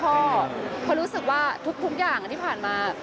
เพราะรู้สึกว่าทุกอย่างที่ผ่านมา